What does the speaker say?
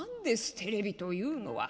テレビというのは。